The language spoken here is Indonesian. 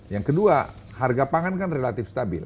yang kedua harga pangan kan relatif stabil